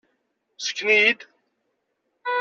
Ssken-iyi-d!